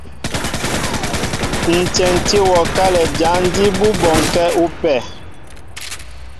Ǹ tyɛntí wɔ kálɛ jǎn jí bú bɔnkɛ́ ú pɛ.